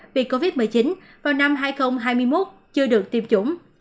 vì covid một mươi chín vào năm hai nghìn hai mươi một chưa được tiêm chủng